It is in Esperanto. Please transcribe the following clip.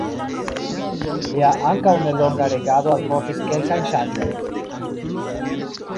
Lia ankaŭ nelonga regado alportis kelkajn ŝanĝojn.